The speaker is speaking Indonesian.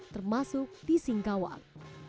termasuk di singkawang